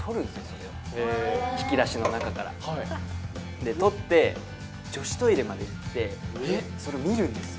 それを引き出しの中からで取って女子トイレまで行ってそれを見るんですよ